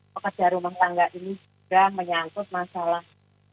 pekerjaan rumah tangga ini juga menyambut masalah